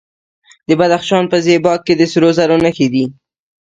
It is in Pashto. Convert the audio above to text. د بدخشان په زیباک کې د سرو زرو نښې شته.